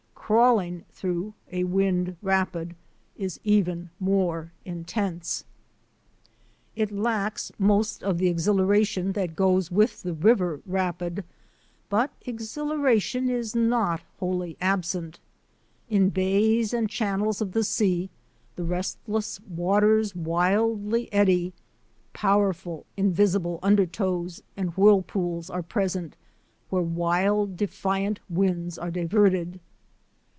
Crawling through a wind rapid is even more intense. It lacks most WIND RAPIDS ON THE HEIGHTS 85 of the exhilaration that goes with the river rapid, but exhilaration is not wholly absent. In bays and channels of the sea the restless waters wildly eddy; powerful, invisible undertows and whirlpools are present where wild, defiant winds are diverted.